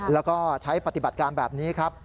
แล้วก็ใช้ปฏิบัติการแบบนี้ครับ